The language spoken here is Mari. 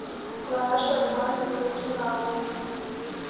Вара шолеман йӱр тӱҥалын.